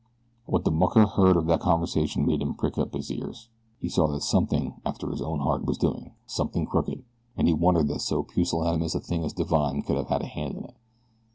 What the mucker beard of that conversation made him prick up his ears. He saw that something after his own heart was doing something crooked, and he wondered that so pusillanimous a thing as Divine could have a hand in it.